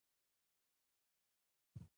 غالۍ د ښځو له لاسونو جوړېږي.